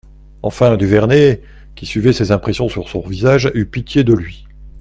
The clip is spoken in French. Enfin Duvernet, qui suivait ses impressions sur son visage, eut pitié de lui.